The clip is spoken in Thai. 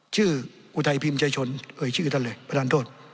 อุทัยพิมพ์ใจชนเอ่ยชื่อท่านเลยประธานโทษ